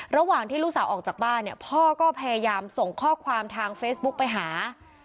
ระหว่างที่ลูกสาวออกจากบ้านเนี่ยพ่อก็พยายามส่งข้อความทางเฟซบุ๊กไปหา